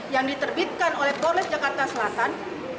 yang diterbitkan oleh polres jakarta selatan